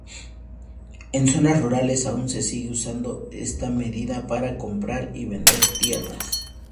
En zonas rurales aún se sigue usando esta medida para comprar y vender tierras.